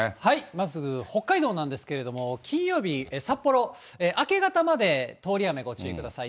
まず北海道なんですけれども、金曜日、札幌、明け方まで通り雨ご注意ください。